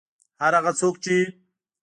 هر هغه څوک چې